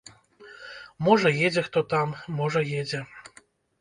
Можа, едзе хто там, можа, едзе.